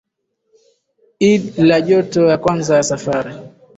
id la joto ya kwanza ya safari